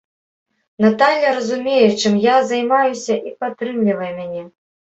Наталля разумее, чым я займаюся і падтрымлівае мяне.